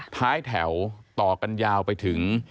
ท้ายแถวต่อกันยาวไปถึง